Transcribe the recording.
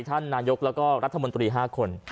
ท่านนายกแล้วก็รัฐมนตรี๕คน